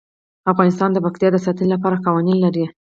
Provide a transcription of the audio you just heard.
افغانستان د پکتیا د ساتنې لپاره قوانین لري.